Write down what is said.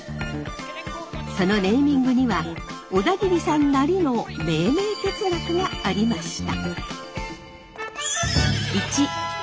そのネーミングには小田切さんなりの「命名哲学」がありました。